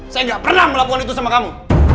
saya nggak pernah melakukan itu sama kamu